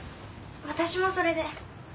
私もそれで。